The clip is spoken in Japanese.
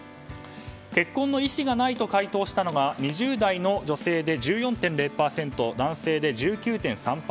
結婚の意思がないと回答したのが２０代の女性で１４．０％男性で１９．３％。